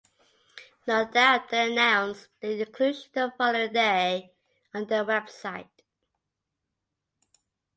No Doubt then announced their inclusion the following day on their website.